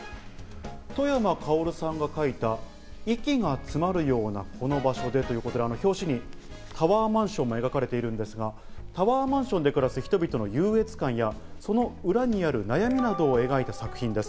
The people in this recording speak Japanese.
外山薫さんが書いた『息が詰まるようなこの場所で』ということで、表紙にタワーマンションが描かれているんですが、タワーマンションで暮らす人々の優越感や、その裏にある悩みなどを描いた作品です。